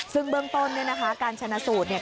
ซึ่งเบื้องต้นเนี่ยนะคะการชนะสูตรเนี่ย